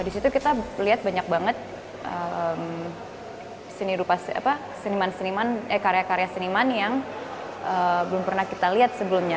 di situ kita lihat banyak banget seniman seniman eh karya karya seniman yang belum pernah kita lihat sebelumnya